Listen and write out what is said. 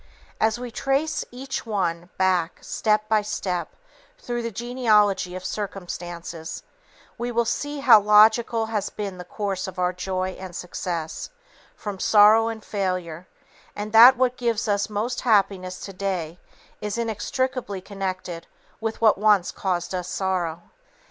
As we trace each one, back, step by step, through the genealogy of circumstances, we will see how logical has been the course of our joy and success, from sorrow and failure, and that what gives us most happiness to day is inextricably connected with what once caused us sorrow.